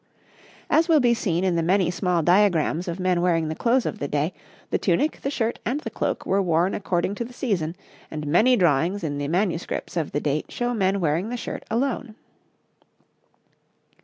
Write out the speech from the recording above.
As will be seen in the small diagrams of men wearing the clothes of the day, the tunic, the shirt, and the cloak were worn according to the season, and many drawings in the MSS. of the date show men wearing the shirt alone.